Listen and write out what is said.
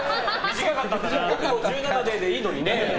僕も１７ででいいのにね。